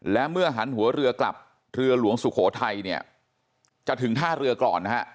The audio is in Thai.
และเมื่อหันหัวเรือกลับเรือหลวงสุโขทัยเนี่ยจะถึงท่าเรือก่อนนะฮะ